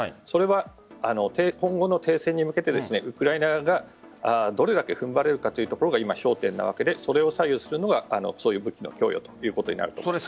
それは今後の停戦に向けてウクライナ側がどれだけ踏ん張れるかというところが焦点なわけでそれを左右するのが武器の供与ということになります。